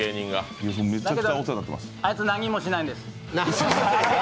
あいつ、何もしないんです。